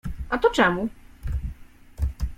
A to czemu?